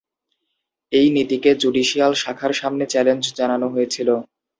এই নীতিকে জুডিশিয়াল শাখার সামনে চ্যালেঞ্জ জানানো হয়েছিল।